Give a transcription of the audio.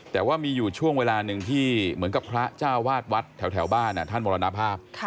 แต่ว่ามีอยู่ช่วงเวลาหนึ่งที่เหมือนกับพระเจ้าวาดวัดแถวบ้านท่านมรณภาพ